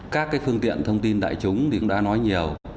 các cái phương tiện thông tin đại chúng thì cũng đã nói nhiều